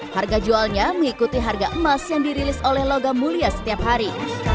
harga jualnya mengikuti harga emas yang dirilis oleh logam mulia setiap hari